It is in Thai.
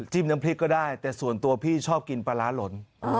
น้ำพริกก็ได้แต่ส่วนตัวพี่ชอบกินปลาร้าหล่น